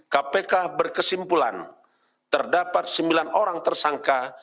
kpk berkesimpulan terdapat sembilan orang tersangka